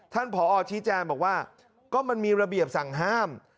ผอชี้แจงบอกว่าก็มันมีระเบียบสั่งห้าม